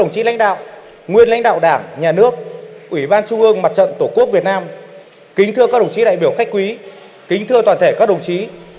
xin chân trọng kính mời đồng chí